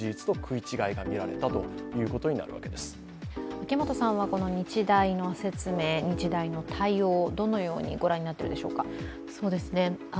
秋元さんは日大の説明、対応、どのようにご覧になっているでしょうか？